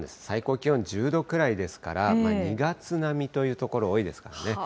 最高気温１０度ぐらいですから、２月並みという所、多いですからね。